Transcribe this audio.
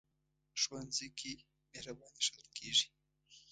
ښوونځی کې مهرباني ښودل کېږي